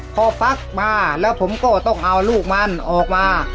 พอฟักมาแล้วผมก็ต้องเอาลูกมันออกมา